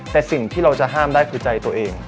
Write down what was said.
แต่สิ่งที่เราจะห้ามได้คือใจตัวเอง